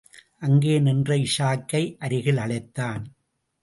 அங்கே நின்ற இஷாக்கை அருகில் அழைத்தான்.